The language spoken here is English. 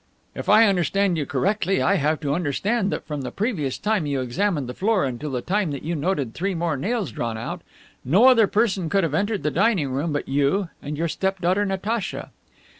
"If I understand you correctly, I have to understand that from the previous time you examined the floor until the time that you noted three more nails drawn out, no other person could have entered the dining room but you and your step daughter Natacha."